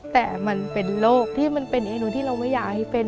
แต่มันเป็นโรคที่มันเป็นเอนูที่เราไม่อยากให้เป็น